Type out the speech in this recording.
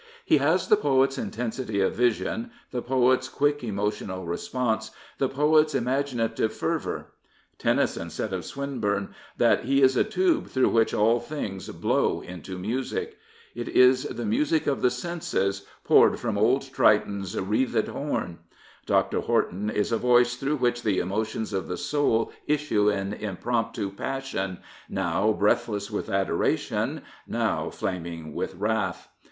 He has the poet's intensity of vision, the poet's quick emotional response, the poet's imagina tive fervour. Tennyson said of Swinburne that " he is a tube through which all things blow into miisic." 269 Prophets, Priests, and Kings It is the music of the senses, poured from old Triton's " wreathed horn." Dr. Horton is a voice through which the emotions of the soul issue in impromptu passion, now " breathless with adoration," now flaming with wrath.